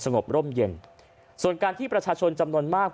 งบร่มเย็นส่วนการที่ประชาชนจำนวนมาก